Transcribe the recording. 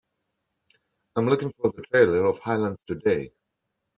I'm looking for the trailer of Highlands Today